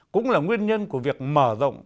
cũng là nguyên nhân của việc mở rộng